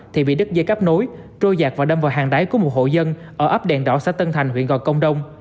thì bị đứt dây cáp nối trôi giạc và đâm vào hàng đáy của một hộ dân ở ấp đèn đỏ xã tân thành huyện gòi công đông